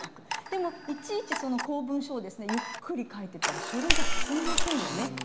でもいちいち公文書をゆっくり書いてたら書類が進みませんよね。